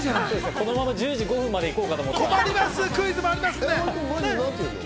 このまま９時１５分まで行こうと思った。